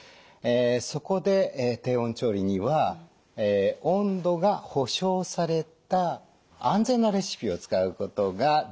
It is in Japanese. そこで低温調理には温度が保証された安全なレシピを使うことが大事になってくるんです。